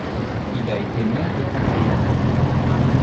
Il a été maire de Ponteilla.